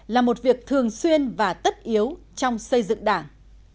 là một việc thường xuyên và tất yếu trong xây dựng đảng